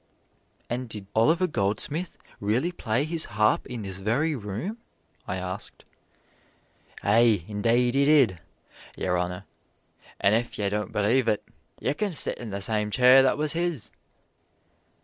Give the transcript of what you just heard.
"And did Oliver Goldsmith really play his harp in this very room?" I asked. "Aye, indade he did, yer honor, an' ef ye don't belave it, ye kin sit in the same chair that was his."